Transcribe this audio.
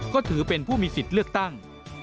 ก็ถือเป็นผู้มีสิทธิ์เลือกตั้ง